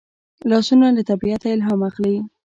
لاسونه له طبیعته الهام اخلي